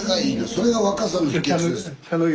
それが若さの秘けつです。